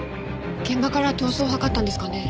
現場から逃走を図ったんですかね？